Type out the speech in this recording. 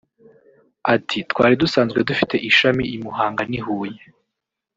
Ati” Twari dusanzwe dufite ishami i Muhanga n’i Huye